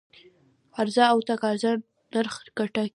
عرضه او تقاضا نرخ ټاکي